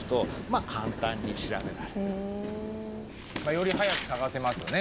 より早く探せますよね